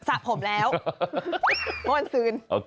สระผมแล้วโห้นซื้น